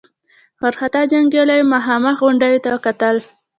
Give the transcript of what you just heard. وارخطا جنګياليو مخامخ غونډيو ته کتل.